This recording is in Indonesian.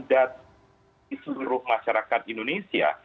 dati seluruh masyarakat indonesia